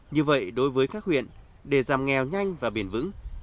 như vậy đối với các huyện để giảm nghèo nhanh và bền vững